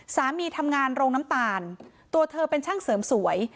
สามีทำงานโรงน้ำตาลตัวเธอเป็นช่างเสริมสวย